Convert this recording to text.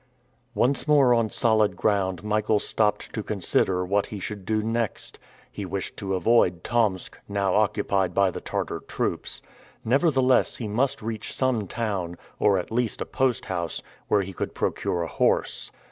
Once more on solid ground Michael stopped to consider what he should do next. He wished to avoid Tomsk, now occupied by the Tartar troops. Nevertheless, he must reach some town, or at least a post house, where he could procure a horse.